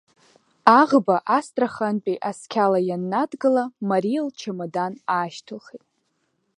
Аӷба Астрахантәи асқьала ианнадгыла, Мариа лчамадан аашьҭылхит.